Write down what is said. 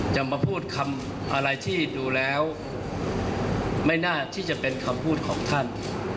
จะมาพูดคำอะไรที่ดูแล้วไม่น่าที่จะเป็นคำพูดของท่าน